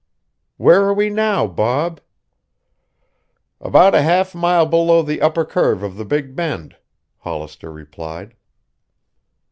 "Where are we now, Bob?" "About half a mile below the upper curve of the Big Bend," Hollister replied.